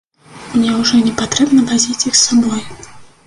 Мне ўжо не патрэбна вазіць іх з сабой.